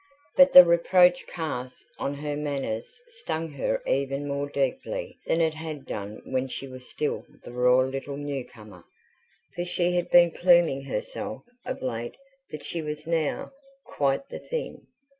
But the reproach cast on her manners stung her even more deeply than it had done when she was still the raw little newcomer: for she had been pluming herself of late that she was now "quite the thing".